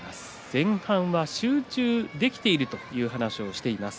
前半は集中できているという話をしています